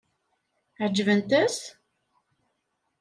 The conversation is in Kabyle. Ɛeǧbent-as?